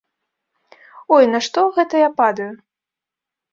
Ой, на што гэта я падаю?